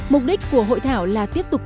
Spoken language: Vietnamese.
mục đích của hội thảo là tiếp tục